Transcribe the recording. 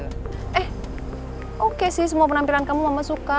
eh oke sih semua penampilan kamu mama suka